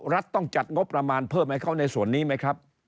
รัฐต้องจัดงบประมาณเพิ่มให้เขาในส่วนนี้ไหมครับ